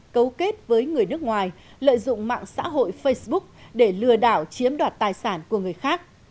cấu kết với người nước ngoài lợi dụng mạng xã hội facebook để lừa đảo chiếm đoạt tài sản của người khác